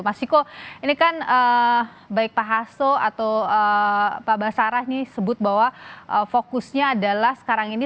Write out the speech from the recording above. mas ciko ini kan baik pak hasso atau pak basarah ini sebut bahwa fokusnya adalah sekarang ini